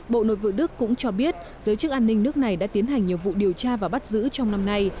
bộ nội vụ đức cũng cho biết giới chức an ninh nước này đã tiến hành nhiều vụ điều tra và bắt giữ trong năm nay